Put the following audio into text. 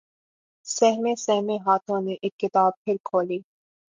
سہمے سہمے ہاتھوں نے اک کتاب پھر کھولی